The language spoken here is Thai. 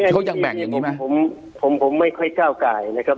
เขายังแบ่งอย่างนี้ไหมผมไม่ค่อยก้าวกายนะครับ